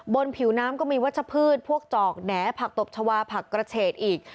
ผิวน้ำก็มีวัชพืชพวกจอกแหน่ผักตบชาวาผักกระเฉดอีก